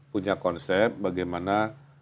punya konsep bagaimana